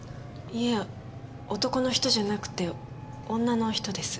いえ男の人じゃなくて女の人です。